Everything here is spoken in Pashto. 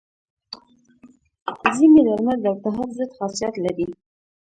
ځینې درمل د التهاب ضد خاصیت لري.